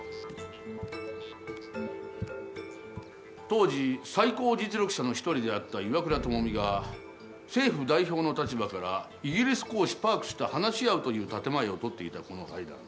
当時最高実力者の一人であった岩倉具視が政府代表の立場からイギリス公使パークスと話し合うという建て前をとっていたこの会談。